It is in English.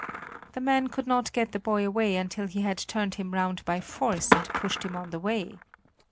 The man could not get the boy away until he had turned him round by force and pushed him on to the way.